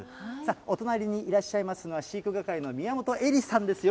お隣にいらっしゃいますのは、飼育係の宮本恵里さんです。